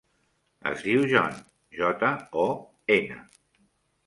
Es diu Jon: jota, o, ena.